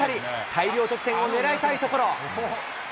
大量得点を狙いたいところ。